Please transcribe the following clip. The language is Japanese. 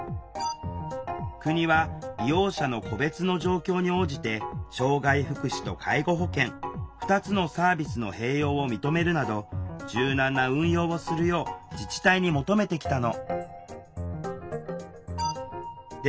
国は利用者の個別の状況に応じて障害福祉と介護保険２つのサービスの併用を認めるなど柔軟な運用をするよう自治体に求めてきたの。